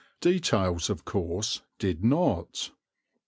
Details of course did not.